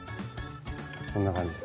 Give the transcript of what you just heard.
こんな感じです。